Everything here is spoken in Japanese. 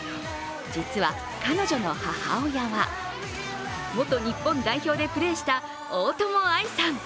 実は彼女の母親は元日本代表でプレーした大友愛さん。